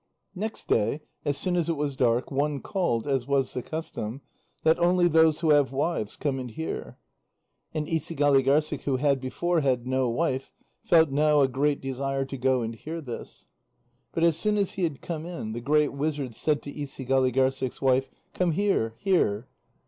Next day, as soon as it was dark, one called, as was the custom: "Let only those who have wives come and hear." And Isigâligârssik, who had before had no wife, felt now a great desire to go and hear this. But as soon as he had come in, the great wizard said to Isigâligârssik's wife: "Come here; here."